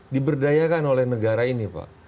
diberdayakan oleh negara ini pak